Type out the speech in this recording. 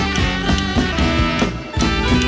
กลับไปที่นี่